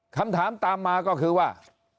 คำถามตามมาก็คือว่า